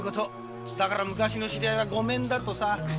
だから昔の知り合いはごめんだとさ。